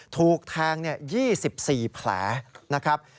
ถูกแทง๒๔แผลนะครับ